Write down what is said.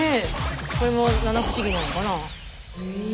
これも七不思議なのかな？